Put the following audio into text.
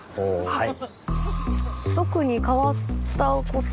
はい。